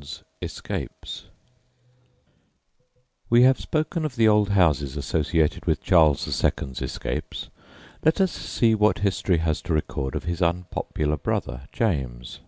'S ESCAPES We have spoken of the old houses associated with Charles II.'s escapes, let us see what history has to record of his unpopular brother James.